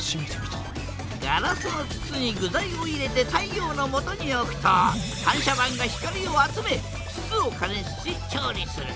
ガラスの筒に具材を入れて太陽のもとに置くと反射板が光を集め筒を加熱し調理する。